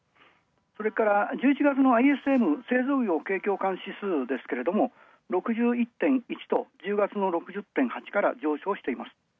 それから１１月のＩＳＭ製造業景況感指数は、６１．１と１０月の６０．８から上昇しています。